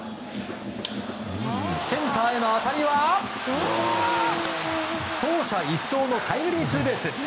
センターへの当たりは走者一掃のタイムリーツーベース！